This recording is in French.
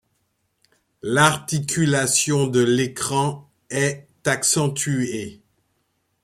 L'articulation de l'écran est accentuée.